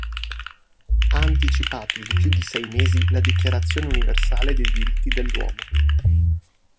Ha anticipato di più di sei mesi la Dichiarazione universale dei diritti dell'uomo.